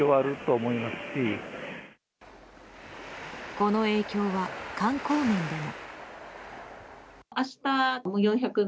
この影響は、観光面でも。